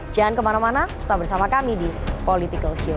jangan kemana mana tetap bersama kami di political show